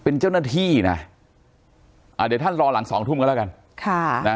เป็นเจ้าหน้าที่นะอ่าเดี๋ยวท่านรอหลังสองทุ่มก็แล้วกันค่ะนะ